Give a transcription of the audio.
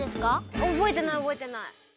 おぼえてないおぼえてない！